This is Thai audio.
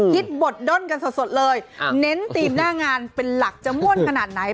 บทด้นกันสดเลยเน้นทีมหน้างานเป็นหลักจะม่วนขนาดไหน